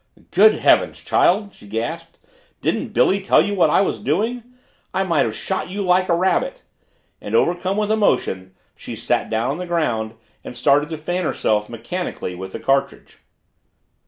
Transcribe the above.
"Good heavens, child!" she gasped. "Didn't Billy tell you what I was doing? I might have shot you like a rabbit!" and, overcome with emotion, she sat down on the ground and started to fan herself mechanically with a cartridge.